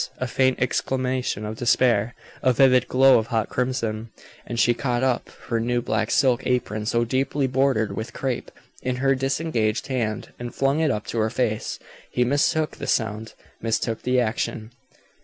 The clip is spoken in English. A faint exclamation of despair, a vivid glow of hot crimson, and she caught up her new black silk apron so deeply bordered with crape, in her disengaged hand, and flung it up to her face. He mistook the sound mistook the action.